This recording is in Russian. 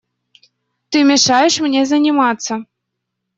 Ты мешаешь мне заниматься.